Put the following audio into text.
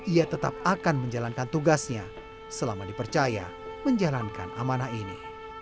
ia tetap akan menjalankan tugasnya selama dipercaya menjalankan amanah ini